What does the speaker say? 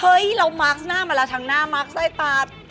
เรามาร์คหน้ามาแล้วทั้งหน้ามาร์คไส้ตา